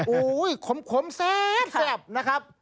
โอ้โหขมแซ่บนะครับ